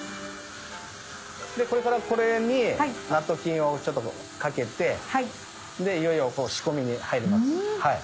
これからこれに納豆菌をかけていよいよ仕込みに入ります。